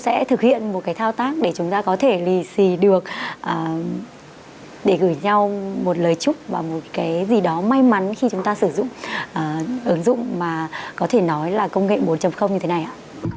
sẽ thực hiện một cái thao tác để chúng ta có thể lì xì được để gửi nhau một lời chúc và một cái gì đó may mắn khi chúng ta sử dụng ứng dụng mà có thể nói là công nghệ bốn như thế này ạ